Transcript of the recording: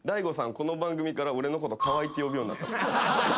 この番組から俺のこと河合って呼ぶようになった。